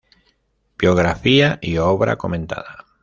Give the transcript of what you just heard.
Biografía y obra comentada.